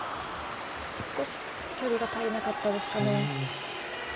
少し距離が足りなかったですかね。